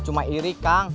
ini cuma iri kang